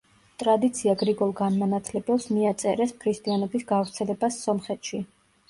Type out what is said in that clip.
ტრადიცია გრიგოლ განმანათლებელს მიაწერეს ქრისტიანობის გავრცელებას სომხეთში.